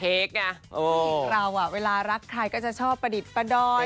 เพราะที่เราอ่ะเวลารักใครก็จะชอบประดิษฐ์ประดอย